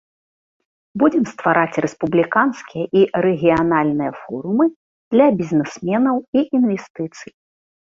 Будзем ствараць рэспубліканскія і рэгіянальныя форумы для бізнесменаў і інвестыцый.